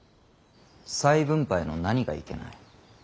再分配の何がいけない。